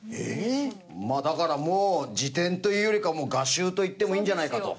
まあだからもう辞典というよりか画集といってもいいんじゃないかと。